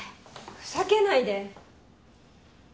ふざけないで！